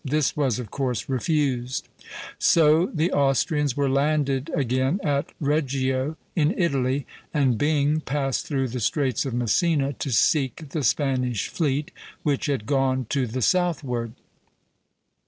This was of course refused; so the Austrians were landed again at Reggio, in Italy, and Byng passed through the Straits of Messina to seek the Spanish fleet, which had gone to the southward.